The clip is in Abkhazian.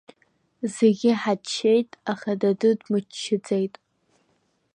Зегьы ҳаччеит, аха даду дмыччаӡеит.